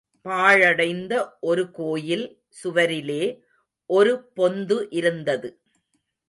பாழடைந்த ஒரு கோயில் சுவரிலே ஒரு பொந்து இருந்தது.